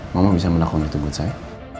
mama bisa melakukan retunggut saya